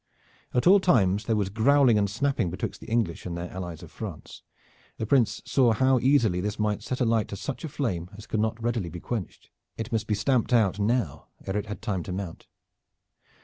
At all times there was growling and snapping betwixt the English and their allies of France. The Prince saw how easily this might set a light to such a flame as could not readily be quenched. It must be stamped out now ere it had time to mount.